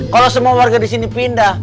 kalau semua warga disini pindah